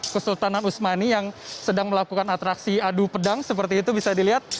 kesultanan usmani yang sedang melakukan atraksi adu pedang seperti itu bisa dilihat